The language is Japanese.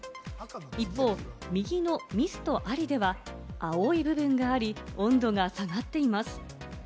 一方、右のミストありでは、青い部分があり、温度が下がっています。